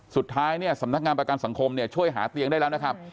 สุดท้ายเนี่ยสำนักงานประกันสังคมเนี่ยช่วยหาเตียงได้แล้วนะครับ